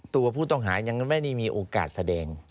ตัวผู้ต้องหายังไม่ได้มีโอกาสแสดง